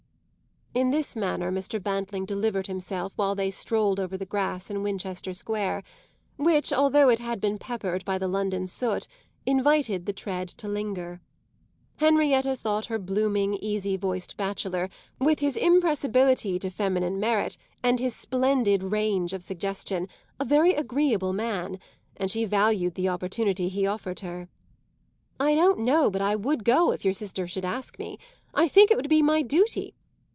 In this manner Mr. Bantling delivered himself while they strolled over the grass in Winchester Square, which, although it had been peppered by the London soot, invited the tread to linger. Henrietta thought her blooming, easy voiced bachelor, with his impressibility to feminine merit and his splendid range of suggestion, a very agreeable man, and she valued the opportunity he offered her. "I don't know but I would go, if your sister should ask me. I think it would be my duty.